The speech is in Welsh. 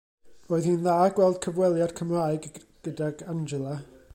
Roedd hi'n dda gweld cyfweliad Cymraeg gydag Angela.